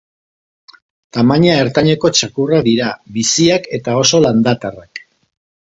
Tamaina ertaineko txakurrak dira, biziak eta oso landatarrak.